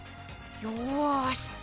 よし！